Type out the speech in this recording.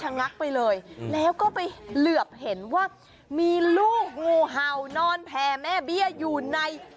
หน้าไปแล้วนะฮะแต่มันไม่เป็นไรนะฮะ